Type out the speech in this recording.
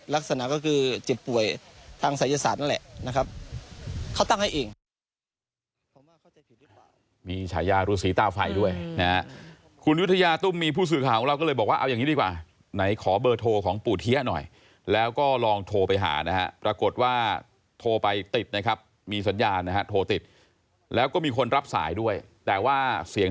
ลักษณะก็คือเจ็บป่วยทางศัยศาสตร์นั่นแหละนะครับเขาตั้งให้เอง